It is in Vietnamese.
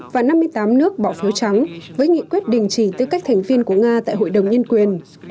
và năm mươi tám nước bỏ phiếu trắng với nghị quyết đình chỉ tư cách thành viên của nga tại hội đồng nhân quyền